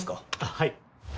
はい。